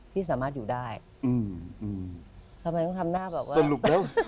พี่สามารถอยู่ได้อืมทำไมต้องทำหน้าแบบว่าสรุปแล้ว